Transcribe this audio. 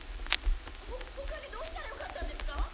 ほ他にどうしたらよかったんですか！？